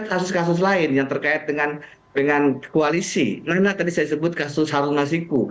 kasus kasus lain yang terkait dengan dengan koalisi mana tadi saya sebut kasus harun masiku